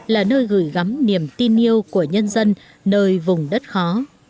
là nơi gửi gắm niềm tin yêu của nhân dân nơi vùng đất khó